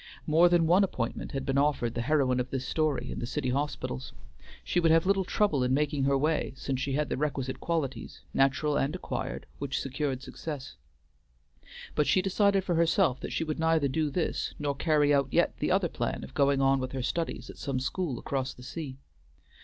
More than one appointment had been offered the heroine of this story in the city hospitals. She would have little trouble in making her way since she had the requisite qualities, natural and acquired, which secure success. But she decided for herself that she would neither do this, nor carry out yet the other plan of going on with her studies at some school across the sea.